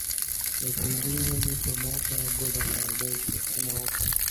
له سپین ږیري نه مې په ماته ګوډه عربي پوښتنه وکړه.